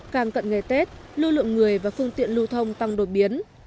càng cận ngày tết lưu lượng người và phương tiện lưu thông tăng đột biến